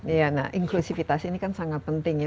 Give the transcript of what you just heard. iya nah inklusivitas ini kan sangat penting ya